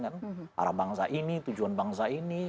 arah bangsa ini tujuan bangsa ini